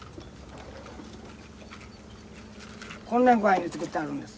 こんな具合に作ってあるんです。